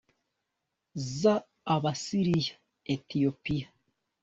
za Abisiniya (Ethiopia)